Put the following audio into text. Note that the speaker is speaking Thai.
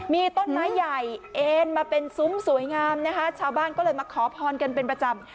มีต้นไม้ใหญ่เอ็นมาเป็นซุ้มสวยงามนะคะชาวบ้านก็เลยมาขอพรกันเป็นประจำ